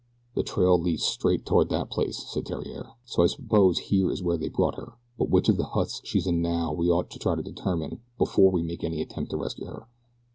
"The trail leads straight toward that place," said Theriere, "so I suppose here is where they brought her, but which of the huts she's in now we ought to try to determine before we make any attempt to rescue her.